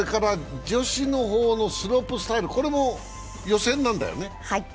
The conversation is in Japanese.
女子の方のスロープスタイル、これも予選なんだよね。